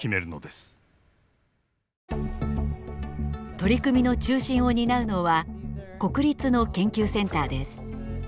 取り組みの中心を担うのは国立の研究センターです。